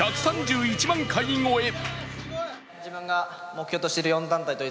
１３１万回超え。